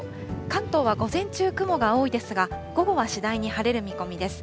関東は午前中、雲が多いですが、午後は次第に晴れる見込みです。